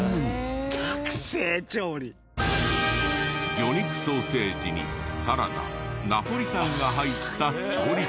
魚肉ソーセージにサラダナポリタンが入った調理パン。